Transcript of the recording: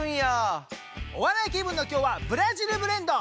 お笑い気分の今日はブラジル・ブレンド！